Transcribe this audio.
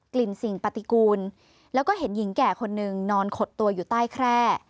สิ่งปฏิกูลแล้วก็เห็นหญิงแก่คนนึงนอนขดตัวอยู่ใต้แคร่